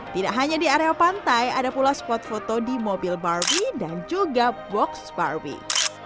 tidak hanya di area pantai ada pula spot foto di mobil barbie dan juga box barbie